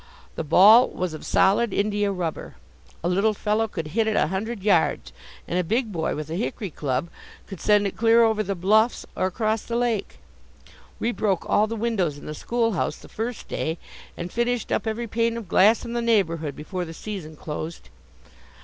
The ball was of solid India rubber; a little fellow could hit it a hundred yards, and a big boy, with a hickory club, could send it clear over the bluffs or across the lake. We broke all the windows in the school house the first day, and finished up every pane of glass in the neighborhood before the season closed.